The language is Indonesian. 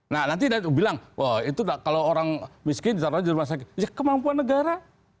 nah nanti dia bilang wah itu kalau orang miskin ditaruh di rumah sakit ya kemampuan negara